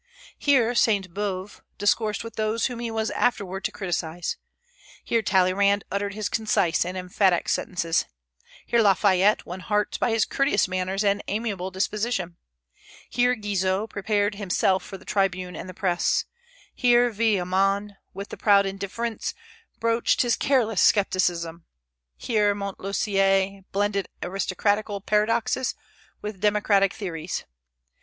Here Sainte Beuve discoursed with those whom he was afterward to criticise; here Talleyrand uttered his concise and emphatic sentences; here Lafayette won hearts by his courteous manners and amiable disposition; here Guizot prepared himself for the tribune and the Press; here Villemain, with proud indifference, broached his careless scepticism; here Montlosier blended aristocratical paradoxes with democratic theories.